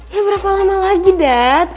ya berapa lama lagi dah